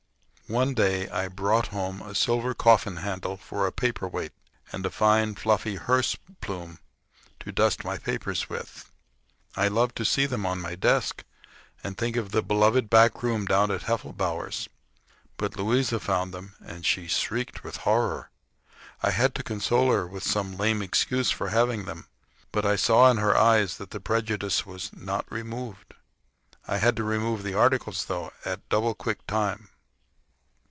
One day I brought home a silver coffin handle for a paper weight and a fine, fluffy hearse plume to dust my papers with. I loved to see them on my desk, and think of the beloved back room down at Heffelbower's. But Louisa found them, and she shrieked with horror. I had to console her with some lame excuse for having them, but I saw in her eyes that the prejudice was not removed. I had to remove the articles, though, at double quick time.